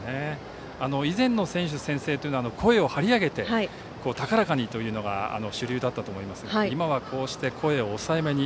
以前の選手宣誓は声を張り上げて高らかにというのが主流だったと思いますが今は声を抑えめに。